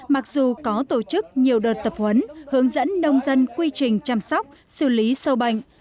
mặc dù có tổ chức nhiều đợt tập huấn hướng dẫn nông dân quy trình chăm sóc xử lý sâu bệnh